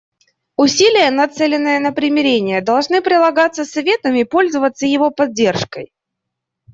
Усилия, нацеленные на примирение, должны прилагаться Советом и пользоваться его поддержкой.